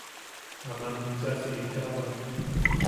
Aman bicha siika bwan.